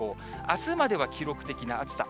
あすまでは記録的な暑さ。